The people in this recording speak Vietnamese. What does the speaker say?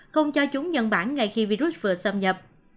không cho chúng nhân bản ngay khi virus vừa xâm nhập